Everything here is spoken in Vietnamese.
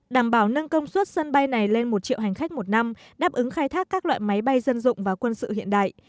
đảm bảo nâng công suất sân bay này lên một triệu hành khách một năm đáp ứng khai thác các loại máy bay dân dụng và quân sự hiện đại